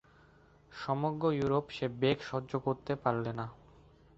সমগ্র ইউরোপ সে বেগ সহ্য করতে পারলে না।